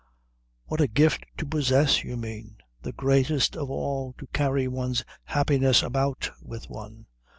"What a gift to possess, you mean. The greatest of all. To carry one's happiness about with one."